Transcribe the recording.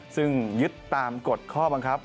ซึ่งยึดตามกฎข้อบังคับ